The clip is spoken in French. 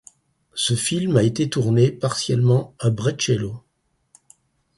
Ce film a été tourné, partiellement, à Brescello.